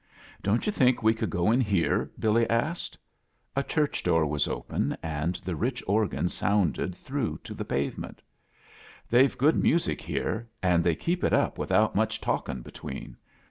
"Don't you think we could go in here?^ Billy asked. A diurch door was open, and the rich organ sounded through to the pavement. " They've good music here, an' they keep it up without much talking between.